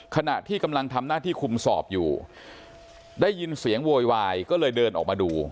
ขณะที่กำลังทำหน้าที่คุมสอบอยู่ได้ยินเสียงโวยวายก็เลยเดินออกมาดู